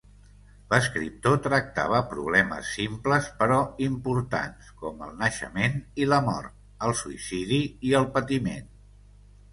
L'escriptor tractava problemes simples però importants com el naixement i la mort, el suïcidi i el patiment.